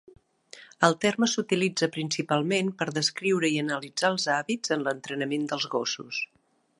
El terme s'utilitza principalment per descriure i analitzar els hàbits en l'entrenament dels gossos.